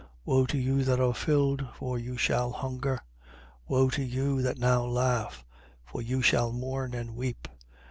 6:25. Woe to you that are filled: for you shall hunger. Woe to you that now laugh: for you shall mourn and weep.